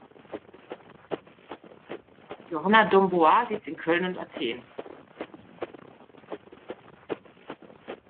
Johanna Dombois lebt in Köln und Athen.